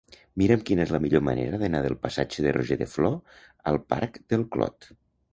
Mira'm quina és la millor manera d'anar del passatge de Roger de Flor al parc del Clot.